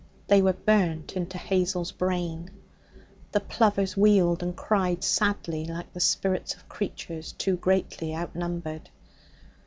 They were burnt into Hazel's brain. The plovers wheeled and cried sadly like the spirits of creatures too greatly outnumbered.